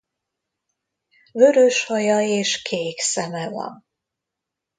Vörös haja és kék szeme van.